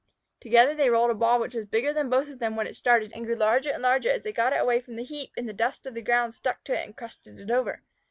Together they rolled a ball which was bigger than both of them when it started, and grew larger and larger as they got it away from the heap and the dust of the ground stuck to it and crusted it over.